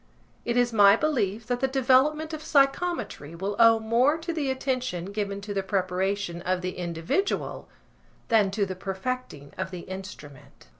It is my belief that the development of psychometry will owe more to the attention given to the preparation of the individual than to the perfecting of the instrument.